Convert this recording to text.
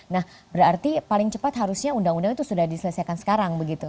nah berarti paling cepat harusnya undang undang itu sudah diselesaikan sekarang begitu